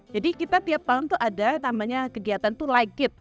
jadi kita tiap tahun tuh ada kegiatan tuh like it